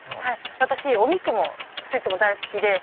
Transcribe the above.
私お肉もスイーツも大好きで。